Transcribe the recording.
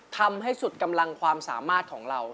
ทำให้สุดกำลังความสามารถของเรา